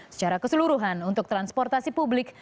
secara keseluruhan untuk transportasi publik